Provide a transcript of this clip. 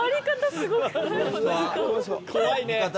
怖いね。